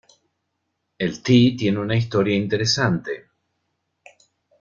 El tee tiene una historia interesante.